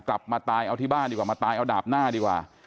กลับมาตายเอาที่บ้านดีกว่ามาตายเอาดาบหน้าดีกว่า